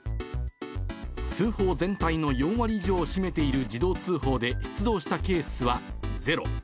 通報全体の４割以上を占めている自動通報で出動したケースはゼロ。